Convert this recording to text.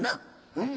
うん。